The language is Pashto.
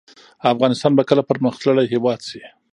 افغانستان به کله پرمختللی هیواد شي؟